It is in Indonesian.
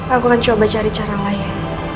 aku akan coba cari cara lain